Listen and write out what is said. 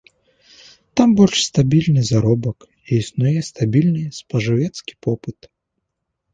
Там больш стабільны заробак і існуе стабільны спажывецкі попыт.